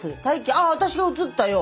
あ私が映ったよ。